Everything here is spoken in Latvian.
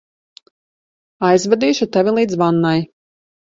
Aizvedīšu tevi līdz vannai.